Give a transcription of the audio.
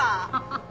ハハハ。